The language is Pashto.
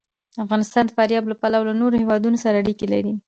افغانستان د فاریاب له پلوه له نورو هېوادونو سره اړیکې لري.